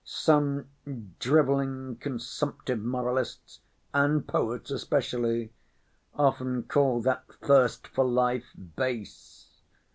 Some driveling consumptive moralists—and poets especially—often call that thirst for life base.